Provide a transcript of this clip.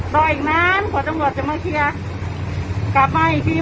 รออีกนานเผาจำด่วนจะมาเคียกกลับมาอีกที